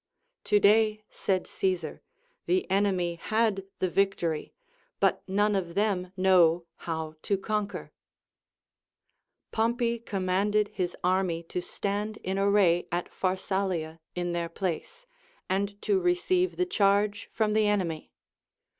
To day, said Caesar, the enemy had the victory, but none of them know how to conquer. Pompey com manded his army to stand in array at Pharsalia in their 24S THE APOPHTHEGMS OF KINGS place, and to receive the charge from the enemy.